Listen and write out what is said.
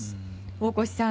大越さん